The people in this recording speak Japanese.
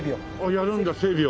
やるんだ整備を。